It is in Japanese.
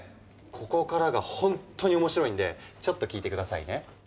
ここからが本当に面白いんでちょっと聞いて下さいね。